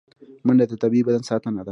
منډه د طبیعي بدن ساتنه ده